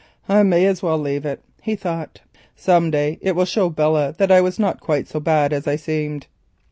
"I may as well leave it," he thought; "some day it will show Belle that I was not quite so bad as I seemed."